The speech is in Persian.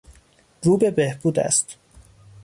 رو به بهبود است.